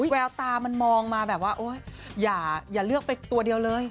แววตามันมองมาแบบว่าโอ๊ยอย่าเลือกไปตัวเดียวเลย